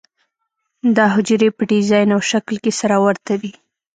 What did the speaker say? دا حجرې په ډیزاین او شکل کې سره ورته دي.